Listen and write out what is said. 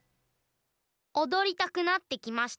おどりたくなってきましたね。